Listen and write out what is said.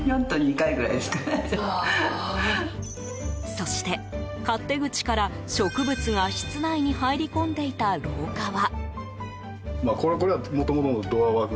そして、勝手口から植物が室内に入り込んでいた廊下は。